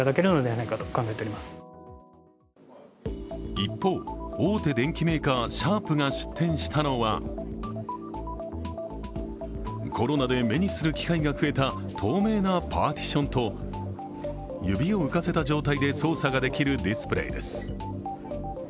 一方、大手電機メーカーシャープが出展したのは、コロナで目にする機会が増えた透明なパーティションと指を浮かせた状態で操作ができるディスプレイです。